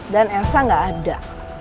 dan elsa gak ada